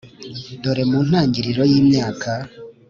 dore mu ntangiriro yimyaka,